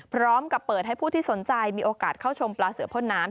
พร้อมกับเปิดให้ผู้ที่สนใจมีโอกาสเข้าชมปลาเสือพ่นน้ำ